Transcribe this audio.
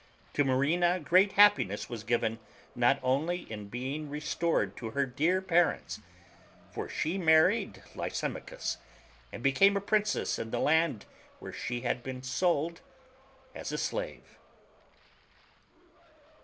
To Marina great happiness was given, not only in being restored to her dear parents ; for she married Lysimachus, and became a princess in the land where she had been sold as a slave.